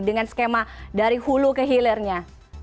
dengan skema dari hulu ke hilirnya